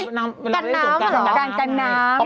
กันน้ำ